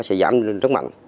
sẽ giảm rất mạnh